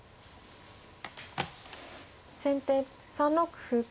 先手３六歩。